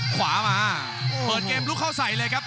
ขวามาเปิดเกมลุกเข้าใส่เลยครับ